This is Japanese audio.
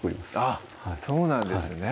あっそうなんですね